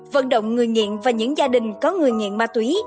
vận động người nghiện và những gia đình có người nghiện ma túy